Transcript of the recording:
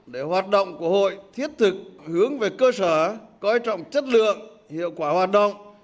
để hoạt động của hội thiết thực hướng về cơ sở coi trọng chất lượng hiệu quả hoạt động